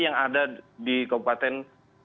yang ada di kabupaten